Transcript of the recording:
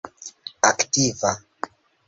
aktiva